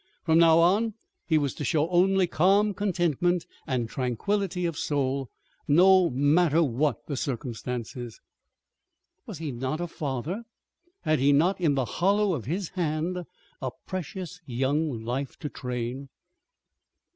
From now on he was to show only calm contentment and tranquillity of soul, no matter what the circumstances. Was he not a father? Had he not, in the hollow of his hand, a precious young life to train?